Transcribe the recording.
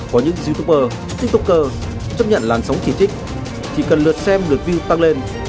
có những youtuber tiktoker chấp nhận làn sóng chỉ thích chỉ cần lượt xem lượt view tăng lên